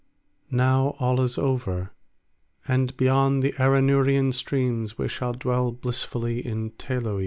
Now all is over, and beyond the Arinurian streams we shall dwell blissfully in Teloe.